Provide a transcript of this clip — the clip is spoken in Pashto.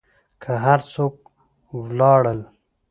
که هر څوک و لاړل.